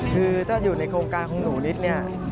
คือถ้าอยู่ในโครงการของหนูนิดเนี่ย